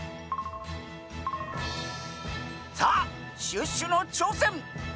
さあシュッシュのちょうせん！